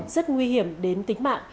rất nguy hiểm đến tính mạng